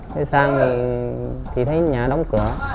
thế sang thì thấy nhà đóng cửa